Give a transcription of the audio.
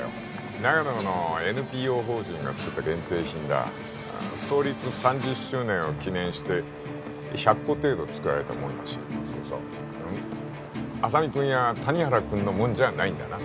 長野のＮＰＯ法人が作った限定品だ創立３０周年を記念して１００個程度作られたものらしいそうそう浅見君や谷原君のもんじゃないんだな？